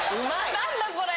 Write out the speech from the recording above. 何だこれ！